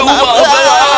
kami yang menyesal